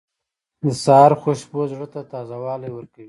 • د سهار خوشبو زړه ته تازهوالی ورکوي.